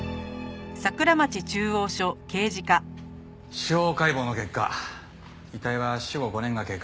司法解剖の結果遺体は死後５年が経過。